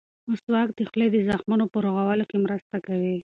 مسواک د خولې د زخمونو په رغولو کې مرسته کوي.